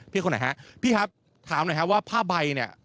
พี่ครับถามหน่อยนะครับว่าผ้าใบเนี่ย